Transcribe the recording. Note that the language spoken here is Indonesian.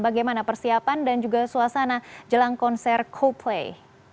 bagaimana persiapan dan juga suasana jelang konser coldplay